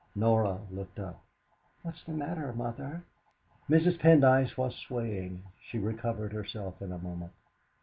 Norah looked up. "What's the matter, Mother?" Mrs. Pendyce was swaying. She recovered herself in a moment.